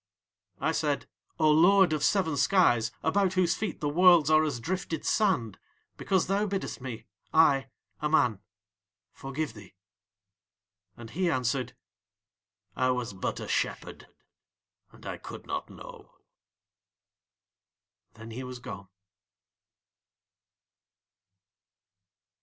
"' "I said: 'O Lord of seven skies, about whose feet the Worlds are as drifted sand, because thou biddest me, I, a man, forgive thee.' "And he answered: 'I was but a shepherd, and I could not know.' Then he was gone."